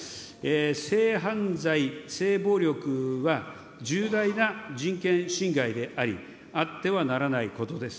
性犯罪、性暴力は、重大な人権侵害であり、あってはならないことです。